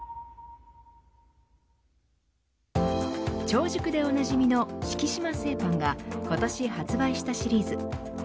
超熟でおなじみの敷島製パンが今年発売したシリーズ。